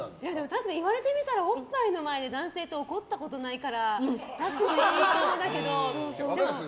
確かに言われてみたらおっぱいの前で男性って怒ったことないから出すといいかもだけど。